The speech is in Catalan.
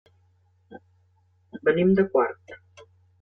Venim de Quart.